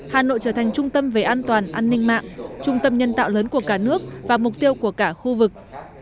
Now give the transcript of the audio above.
hà nội trở thành trung tâm về an toàn an ninh mạng trung tâm nhân tạo lớn của cả nước và mục tiêu của cả khu vực